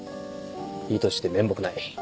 いい年して面目ない。